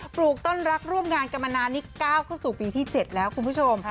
ปลูกต้นรักร่วมงานกรรมนานิก๙ขึ้นสู่ปีที่๗แล้วคุณผู้ชม